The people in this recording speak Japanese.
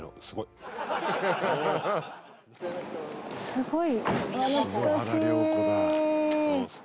すごい。